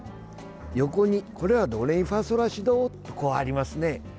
横にドレミファソラシドとありますね。